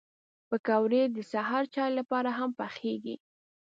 پکورې د سهر چای لپاره هم پخېږي